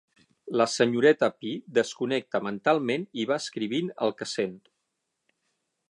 La senyoreta Pi desconnecta mentalment i va escrivint el que sent.